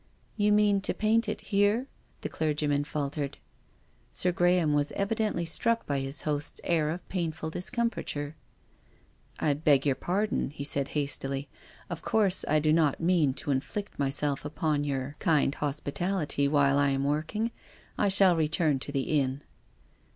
" Yf)u mean to paint it here?" the clergyman faltered. Sir Graham was evidently struck by his host's air of painful discomfiture. " I beg your pardon," he .said hastily. " Of course I do not mean to inflict myself upon your 64 TONGUES OF C0NSCIP:NCE. kind hospitality while I am working. I shall re turn to the inn."